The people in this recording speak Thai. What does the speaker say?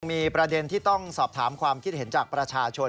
มีประเด็นที่ต้องสอบถามความคิดเห็นจากประชาชน